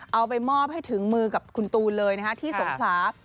เอาไปมอบให้ถึงมือกับคุณตูนเลยที่สงขลา